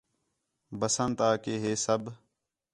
بسنت آ کہ ہے سب